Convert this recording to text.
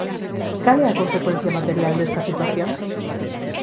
¿Cal é a consecuencia material desta situación?